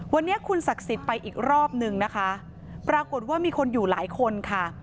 วันนี้คุณศักดิ์สิทธิ์ไปอีกรอบนึงนะคะปรากฏว่ามีคนอยู่หลายคนค่ะ